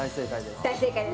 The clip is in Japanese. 大正解です